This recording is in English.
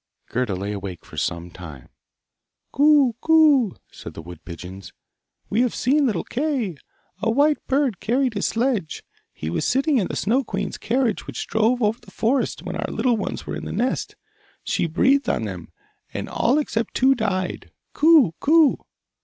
Gerda lay awake for some time. 'Coo, coo!' said the wood pigeons. 'We have seen little Kay. A white bird carried his sledge; he was sitting in the Snow queen's carriage which drove over the forest when our little ones were in the nest. She breathed on them, and all except we two died. Coo, coo!